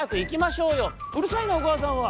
「うるさいなおかあさんは！